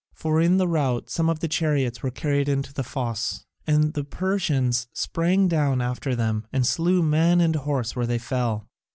For in the rout some of the chariots were carried into the fosse, and the Persians sprang down after them and slew man and horse where they fell.